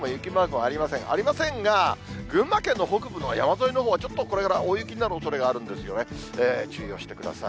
ありませんが、群馬県の北部の山沿いのほうはちょっとこれから大雪になるおそれがあるんですよね、注意をしてください。